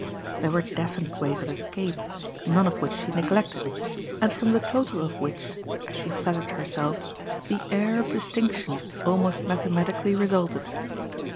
There were definite ways of escape, none of which she neglected and from the total of which, as she flattered herself, the air of distinction almost mathematically resulted.